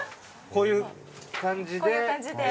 こういう感じで。